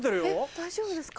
大丈夫ですか？